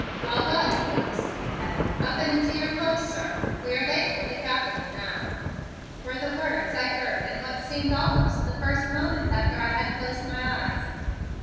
"Well, well, you young sleepyhead, up and into your clothes, sir. We are late for the Capitol now," were the words I heard in what seemed almost the first moment after I had closed my eyes.